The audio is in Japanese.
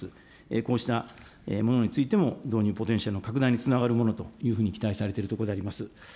こうしたものについても導入ポテンシャルの拡大につながるものと期待されているところであります。